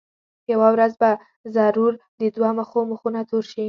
یوه ورځ به ضرور د دوه مخو مخونه تور شي.